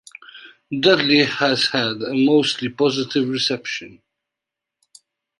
Dudley has had a mostly positive reception.